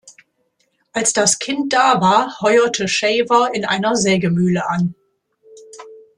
Als das Kind da war, heuerte Shaver in einer Sägemühle an.